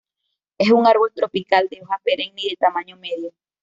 Es un árbol tropical de hoja perenne y de tamaño medio.